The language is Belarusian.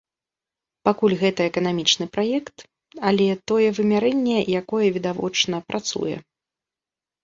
Пакуль гэта эканамічны праект, але тое вымярэнне, якое відавочна працуе.